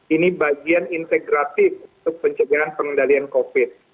ini bagian integratif untuk pencegahan pengendalian covid